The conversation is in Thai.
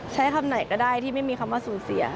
ใช้คำไหนก็ได้ที่ไม่มีคำว่าสูญเสีย